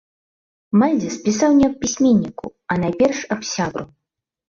Мальдзіс пісаў не аб пісьменніку, а найперш аб сябру.